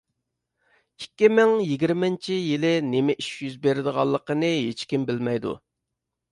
ئىككى مىڭ يىگىرمىنچى يىلى نېمە ئىش يۈز بېرىدىغانلىقىنى ھېچكىم بىلمەيدۇ.